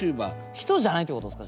人じゃないってことですか？